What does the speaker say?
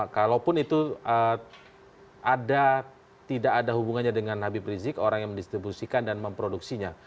kalaupun itu tidak ada hubungannya dengan habib rizik orang yang mendistribusikan dan memproduksinya